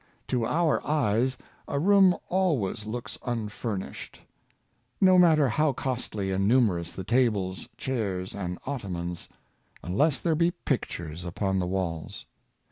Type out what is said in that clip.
To our eyes a room always looks unfurnished, no mat \ ter how costly and numerous the tables, chairs and ottomans, unless there be pictures upon the walls.